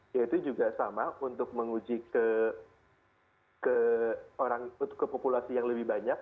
yaitu juga sama untuk menguji ke orang ke populasi yang lebih banyak